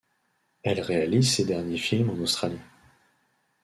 Elle réalise ses derniers films en Australie.